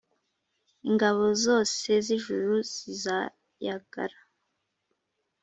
Ingabo zose z’ijuru zizayagara,